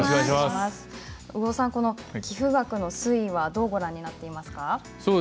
寄付額の推移はどうご覧になっていますか？